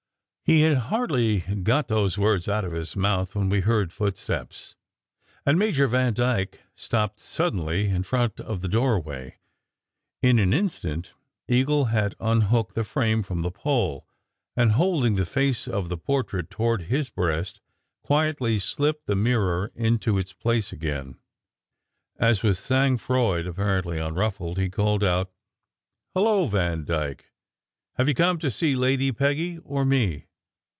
He had hardly got these words out of his mouth when we heard footsteps, and Major Vandyke stopped suddenly in front of the doorway. In an instant, Eagle had un hooked the frame from the pole, and holding the face of the portrait toward his breast, quietly slipped the mirror into its place again, as, with sang froid apparently unruffled, he called out: "Hullo, Vandyke! Have you come to see Lady Peggy or me?